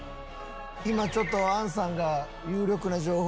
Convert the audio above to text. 今ちょっとアンさんが有力な情報を。